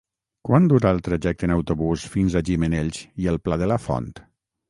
Quant dura el trajecte en autobús fins a Gimenells i el Pla de la Font?